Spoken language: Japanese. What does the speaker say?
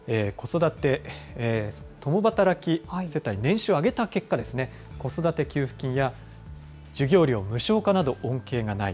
共働き世帯、年収を上げた結果、子育て給付金や授業料無償化など恩恵がない。